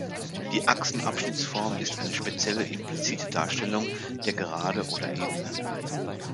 Die Achsenabschnittsform ist eine spezielle implizite Darstellung der Gerade oder Ebene.